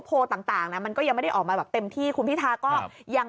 ต่างนะมันก็ยังไม่ได้ออกมาแบบเต็มที่คุณพิทาก็ยัง